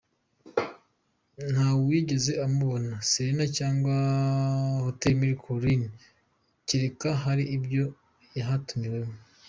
Ntawigeze amubona Serena cyangwa Hotel des Mille Collines kereka hari ibyo yahatumiwemo.